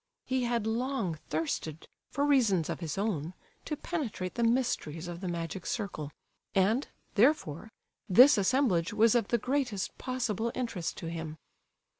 He had long thirsted, for reasons of his own, to penetrate the mysteries of the magic circle, and, therefore, this assemblage was of the greatest possible interest to him.